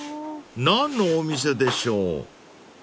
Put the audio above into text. ［何のお店でしょう？］